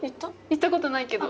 行ったことないけど。